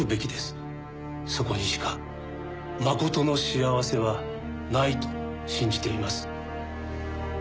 そこにしかまことの幸せはないと信じています。